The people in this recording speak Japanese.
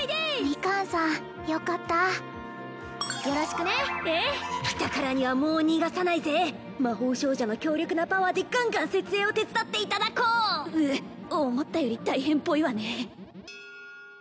ミカンさんよかったよろしくねええ来たからにはもう逃がさないぜ魔法少女の強力なパワーでガンガン設営を手伝っていただこううっ思ったより大変っぽいわね